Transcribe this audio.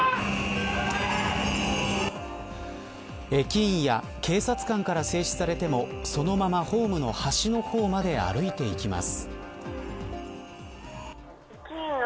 駅員や警察官から制止されてもそのままホームの端の方まで歩いていきます。